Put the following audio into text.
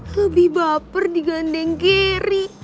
lebih baper di gandeng geri